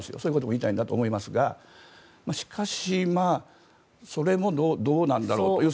言いたいんだと思いますがしかしそれもどうなんだろうと。